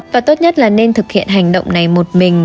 và tốt nhất là nên thực hiện hành động này một mình